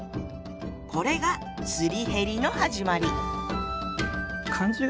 これが「すり減り」の始まり。